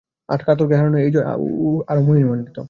আর কাতারকে হারানোয় এই জয় হয়ে উঠেছে আরও মহিমান্বিত।